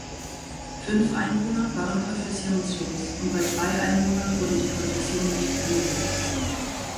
Fünf Einwohner waren konfessionslos und bei drei Einwohnern wurde die Konfession nicht ermittelt.